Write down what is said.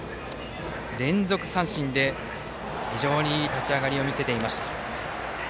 連続三振で非常にいい立ち上がりを見せていました。